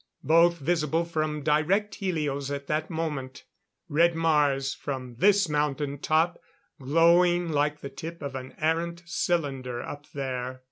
Both visible from direct helios at that moment Red Mars, from this mountain top, glowing like the tip of an arrant cylinder up there.